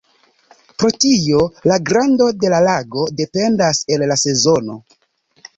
Pro tio la grando de la lago dependas el la sezono.